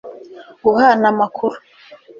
guhana amakuru